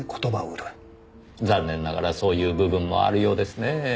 残念ながらそういう部分もあるようですねぇ。